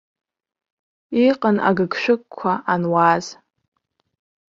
Иҟан агыгшәыгқәа ануааз.